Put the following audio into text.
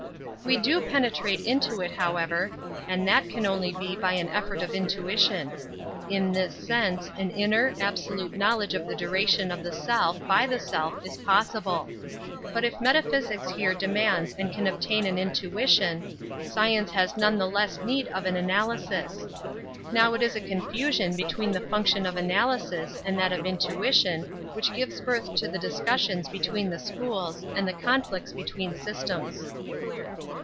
We do penetrate into it, however, and that can only be by an effort of intuition. In this sense, an inner, absolute knowledge of the duration of the self by the self is possible. But if metaphysics here demands and can obtain an intuition, science has none the less need of an analysis. Now it is a confusion between the function of analysis and that of intuition which gives birth to the discussions between the schools and the conflicts between systems.